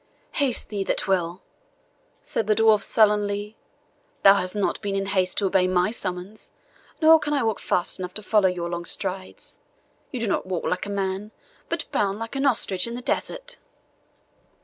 "Haste he that will," said the dwarf sullenly; "thou hast not been in haste to obey my summons, nor can I walk fast enough to follow your long strides you do not walk like a man, but bound like an ostrich in the desert."